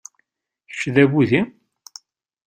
Kečč d abudi?